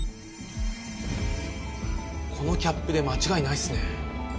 このキャップで間違いないっすね。